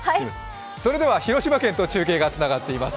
それでは広島県と中継がつながっています。